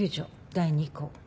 第２項。